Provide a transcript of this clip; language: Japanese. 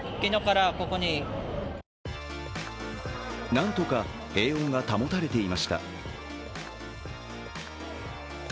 なんとか平穏が保たれていました。